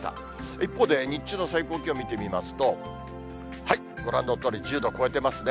一方で、日中の最高気温見てみますと、ご覧のとおり、１０度超えてますね。